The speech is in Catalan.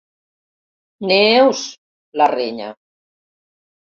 Neus —la renya.